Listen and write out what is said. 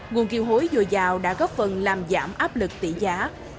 nguồn kiều hối dồi dào đã góp phần làm giảm áp lực tỷ giá